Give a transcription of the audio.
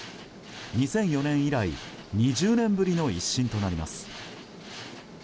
２００４年以来２０年ぶりの一新となります。